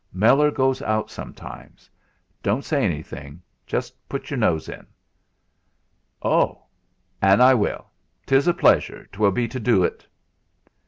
Meller goes out sometimes. Don't say anything; Just put your nose in." "Oh! an' I will; 'tis a pleasure 'twill be to do ut."